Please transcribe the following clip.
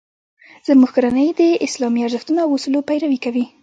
زموږ کورنۍ د اسلامي ارزښتونو او اصولو پیروي کوي